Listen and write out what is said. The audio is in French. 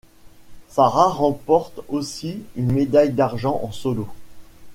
Sarah remporte aussi une médaille d'argent en solo.